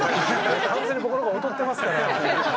完全に僕の方が劣ってますから。